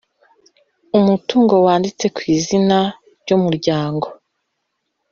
umutungo wanditse ku izina ry umuryango